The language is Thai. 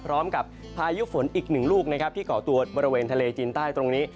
พายุฝนอีกหนึ่งลูกนะครับที่เกาะตัวบริเวณทะเลจีนใต้ตรงนี้